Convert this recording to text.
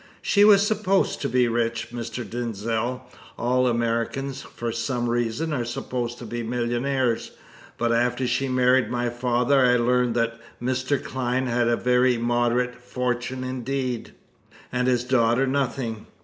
"She was supposed to be rich, Mr. Denzil. All Americans, for some reason, are supposed to be millionaires; but after she married my father I learned that Mr. Clyne had a very moderate fortune indeed, and his daughter nothing.